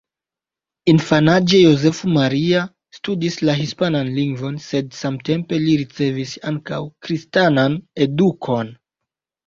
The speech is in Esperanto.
Infanaĝe Jozefo Maria studis la hispanan lingvon, sed samtempe li ricevis ankaŭ kristanan edukon.